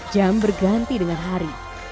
jam berganti dengan hari